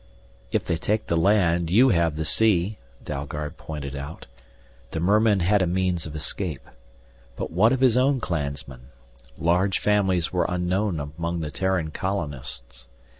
"If they take the land, you have the sea," Dalgard pointed out. The mermen had a means of escape. But what of his own clansmen? Large families were unknown among the Terran colonists.